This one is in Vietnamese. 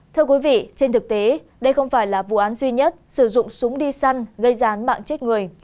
thưa quý vị trên thực tế đây không phải là vụ án duy nhất sử dụng súng đi săn gây ra án mạng chết người